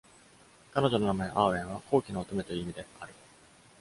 彼女の名前「アーウェン」は「高貴な乙女」という意味である。